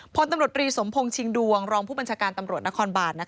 พลตำรวจรีสมพงษ์ชิงดวงรองผู้บัญชาการตำรวจนครบาน